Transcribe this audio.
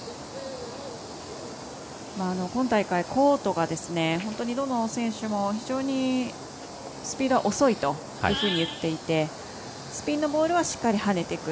本大会、コートが、どの選手も非常にスピードが遅いと言っていてスピンのボールはしっかりと跳ねてくる。